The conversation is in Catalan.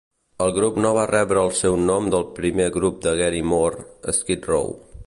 El grup no va rebre el seu nom pel primer grup de Gary Moore, Skid Row.